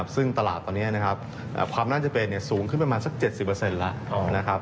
ซึ่งตลาดตอนนี้นะครับความน่าจะเป็นเนี่ยสูงขึ้นเป็นประมาณสัก๗๐เปอร์เซ็นต์แล้ว